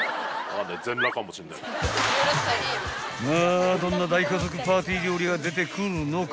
［まあどんな大家族パーティー料理が出てくるのかな